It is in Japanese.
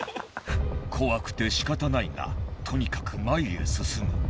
怖くて仕方ないがとにかく前へ進む。